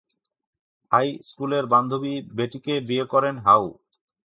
High স্কুলের বান্ধবী বেটিকে বিয়ে করেন হাউ।